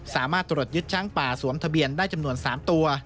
สามารถตรวจยึดช้างป่าสวมทะเบียนได้จำนวน๓ตัว